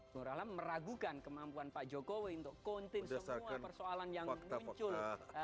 bung rahlan meragukan kemampuan pak jokowi untuk kontin semua persoalan yang muncul